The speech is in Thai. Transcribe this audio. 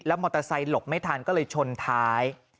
มอเตอร์ไซค์หลบไม่ทันก็เลยชนท้าย